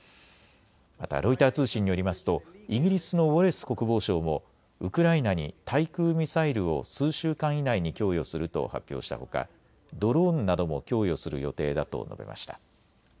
またロイター通信によりますとイギリスのウォレス国防相もウクライナに対空ミサイルを数週間以内に供与すると発表したほかドローンなども供与する予定だと述べました。